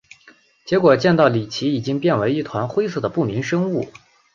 结果见到李奇已经变为一团灰色的不明生物。